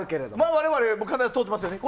我々、かなり通っていますよね。